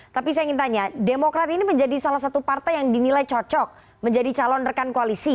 tapi saya ingin tanya demokrat ini menjadi salah satu partai yang dinilai cocok menjadi calon rekan koalisi